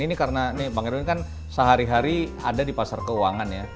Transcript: ini karena nih bang erwin kan sehari hari ada di pasar keuangan ya